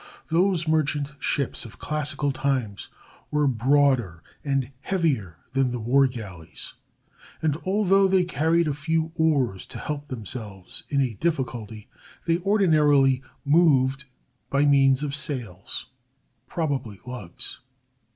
These merchant ships of classical times were broader and heavier than the war galleys, and although they carried a few oars to help themselves in a difficulty, they ordinarily moved by means of sails, probably lugs.